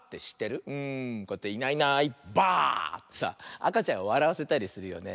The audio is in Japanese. こうやって「いないいないばあ！」ってさあかちゃんをわらわせたりするよね。